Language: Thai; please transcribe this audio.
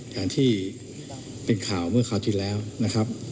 อย่างที่เป็นข่าวเมื่อคราวที่แล้วนะครับ